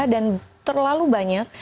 dan terlalu banyak